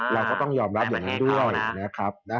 เราก็ต้องยอมรับอย่างนั้นด้วยนะครับ